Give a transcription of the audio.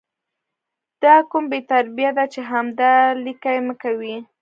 دا کوم بې تربیه ده چې همدا 💩 لیکي مه کوي